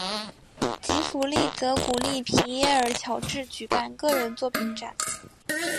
吉福利则鼓励皮耶尔乔治举办个人作品展。